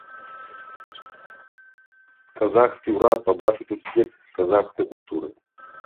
Казахскі ўрад пабачыў тут здзек з казахскай культуры.